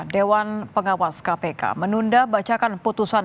dewan pengawas kpk menunda bacaan putusan